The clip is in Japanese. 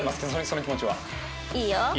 その気持ちは。いいよ。